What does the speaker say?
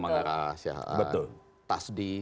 ada manggara tasdi